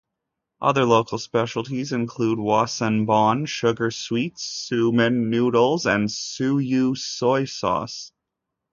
Other local specialties include "wasanbon" sugar sweets, "soumen" noodles and "shoyu" soy sauce.